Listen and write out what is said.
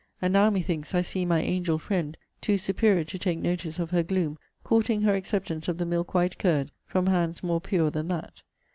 And now, methinks, I see my angel friend, (too superior to take notice of her gloom,) courting her acceptance of the milk white curd, from hands more pure than that.